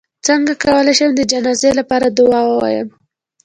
څنګه کولی شم د جنازې لپاره دعا ووایم